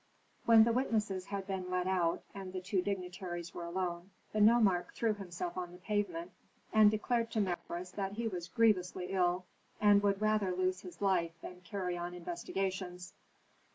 When the witnesses had been led out, and the two dignitaries were alone, the nomarch threw himself on the pavement, and declared to Mefres that he was grievously ill, and would rather lose his life than carry on investigations.